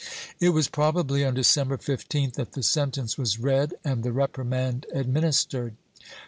It was probably on December 15th that the sentence was read and the reprimand administered.